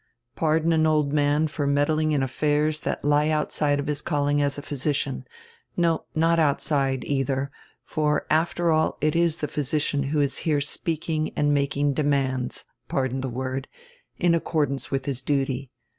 Pardon an old man for meddling in affairs that lie outside of his calling as a physician. No, not outside, either, for after all it is the physician who is here speaking and making demands — pardon die word — in accordance with his duty.